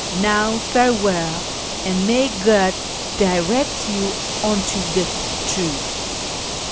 Now farewell, and may God direct you unto the truth."